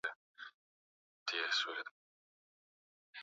katika mabara mengine Leo karibu nusu ya Waafrika wote ni Wakristo